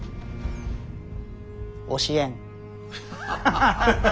教えん。